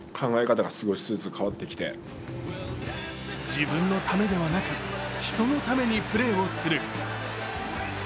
自分のためではなく人のためにプレーをする。